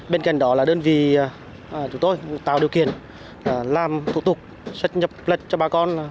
bên cạnh đó là đơn vị chúng tôi tạo điều kiện làm thủ tục xuất nhập cho bà con